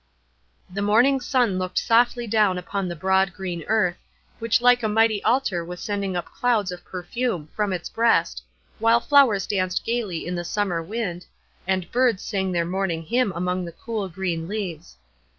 The morning sun looked softly down upon the broad green earth, which like a mighty altar was sending up clouds of perfume from its breast, while flowers danced gayly in the summer wind, and birds sang their morning hymn among the cool green leaves.